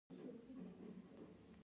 د سی بي ار طریقه یوه مشهوره طریقه ده